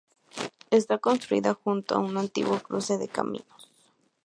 Está construida junto a un antiguo cruce de caminos.